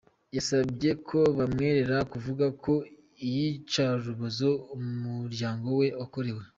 Yasabye ko bamwemerera kuvuga ku iyicwarubozo umuryango we wakorewe.